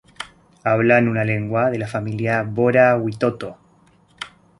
Hablan una lengua de la familia bora-witoto.